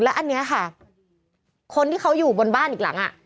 อันนี้ค่ะคนที่เขาอยู่บนบ้านอีกหลัง